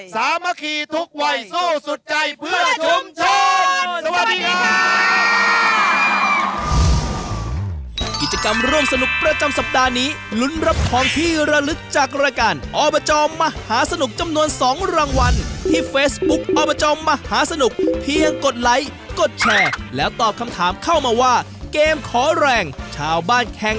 สามัคคีทุกวัยสู้สุดใจเพื่อชุมชน